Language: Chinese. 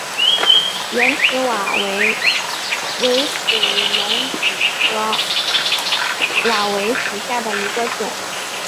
圆齿瓦韦为水龙骨科瓦韦属下的一个种。